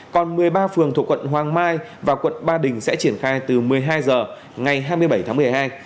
còn một mươi ba phường thuộc quận hoàng mai và quận ba đình sẽ triển khai từ một mươi hai h ngày hai mươi bảy tháng một mươi hai